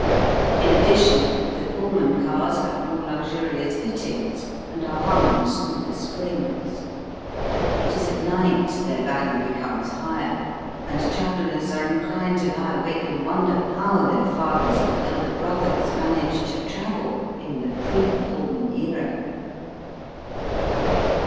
In addition, the Pullman cars have more luxurious fittings, and are hung on smoother springs. It is at night their value becomes higher, and travellers are inclined to lie awake and wonder how their fathers and elder brothers managed to travel in the pre Pullman era.